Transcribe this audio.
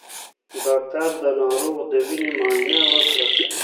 ډاکټر د ناروغ د وینې معاینه وکړه.